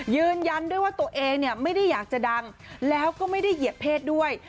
ยืนยันด้วยว่าตัวเองเนี่ยไม่ได้อยากจะดังแล้วก็ไม่ได้เหยียบเพศด้วย